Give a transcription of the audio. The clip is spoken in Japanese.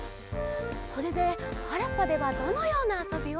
それではらっぱではどのようなあそびを？